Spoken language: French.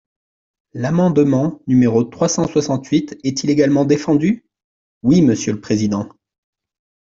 L’amendement numéro trois cent soixante-huit est-il également défendu ? Oui, monsieur le président.